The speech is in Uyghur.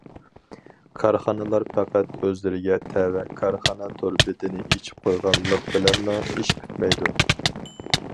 كارخانىلار پەقەت ئۆزلىرىگە تەۋە كارخانا تور بېتىنى ئېچىپ قويغانلىق بىلەنلا ئىش پۈتمەيدۇ.